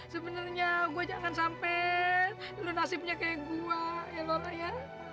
sebenernya gue jangan sampai lo nasibnya kayak gue ya ra ya